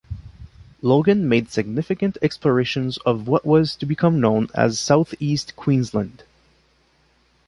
Logan made significant explorations of what was to become known as South East Queensland.